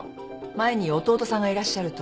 前に弟さんがいらっしゃると。